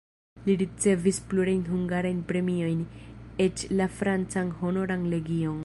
Li ricevis plurajn hungarajn premiojn, eĉ la francan Honoran legion.